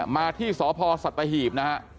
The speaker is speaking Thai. มาที่สพสัตหีบ